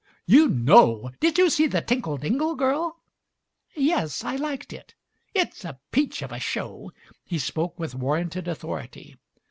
"You know! Did you see The Tinkle Dingle Girl?" "Yes. I liked it." "It's a peach show." He spoke with warranted authority.